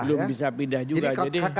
belum bisa pindah juga